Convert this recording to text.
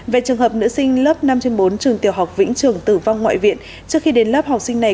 về trường hợp nữ sinh lớp năm trên bốn trường tiểu học vĩnh trường tử vong ngoại viện trước khi đến lớp học sinh này